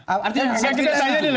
artinya saya setuju